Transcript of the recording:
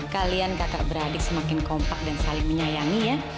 kalian kakak beradik semakin kompak dan saling menyayangi ya